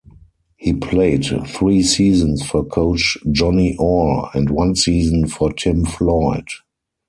He played three seasons for coach Johnny Orr and one season for Tim Floyd.